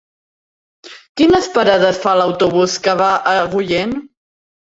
Quines parades fa l'autobús que va a Agullent?